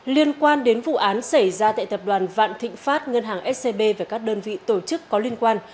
liên quan đến vụ án xảy ra tại tập đoàn vạn thịnh pháp ngân hàng scb và các đơn vị tổ chức có liên quan